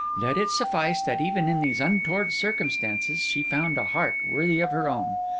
Let it suffice, that even in these untoward circumstances, she found a heart worthy of her own.